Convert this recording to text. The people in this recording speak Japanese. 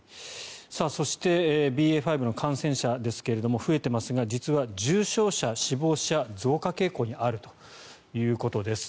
そして、ＢＡ．５の感染者ですが増えていますが実は重症者、死亡者増加傾向にあるということです。